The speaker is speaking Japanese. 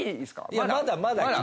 いやまだまだ。